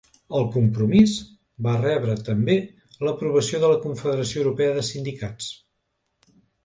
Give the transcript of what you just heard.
El compromís va rebre també l'aprovació de la Confederació Europea de Sindicats.